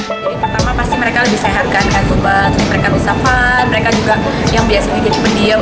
jadi pertama pasti mereka lebih sehatkan mereka usahafat mereka juga yang biasanya jadi pendiam